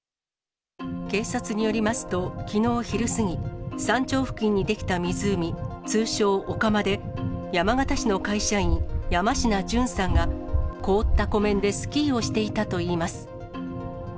警察によりますと、きのう昼過ぎ、山頂付近に出来た湖、通称、お釜で、山形市の会社員、山科順さんが凍った湖面でスキーをしていたといいます。